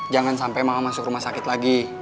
jangan sampai mama masuk rumah sakit lagi